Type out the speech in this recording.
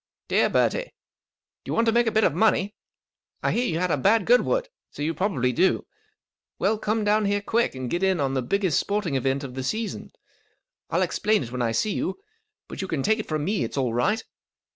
Dear Bertie, —Do you want to make a bit of money ? I hear you had a bad Goodwood, so you probably do. Well, come down here quick and get in on the biggest sporting event of the season. I'll explain when I see you, but you can take it from me it's all right.